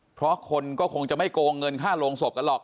เพราะคนก็คงจะไม่โกงเงินค่าโรงศพกันหรอก